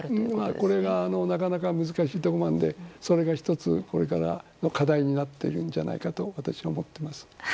これがなかなか難しいところでそれが１つこれからの課題になっているんじゃないかと私は思っています。